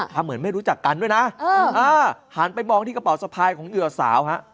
เหมือนไม่รู้จักกันด้วยนะหันไปมองที่กระเป๋าสะพายของเหยื่อสาวฮะ